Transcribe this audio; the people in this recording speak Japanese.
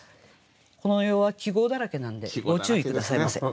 この世は季語だらけなんでご注意下さいませ。